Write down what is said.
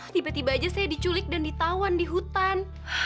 tiba tiba aja saya diculik dan ditawan di hutan